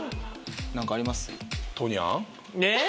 何かあります？えっ？